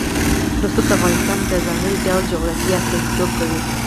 رسوب د افغانستان د ځانګړي ډول جغرافیه استازیتوب کوي.